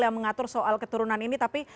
yang mengatur soal keturunan ini tapi